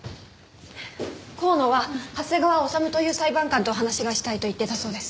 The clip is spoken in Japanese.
香野は長谷川治という裁判官と話がしたいと言っていたそうです。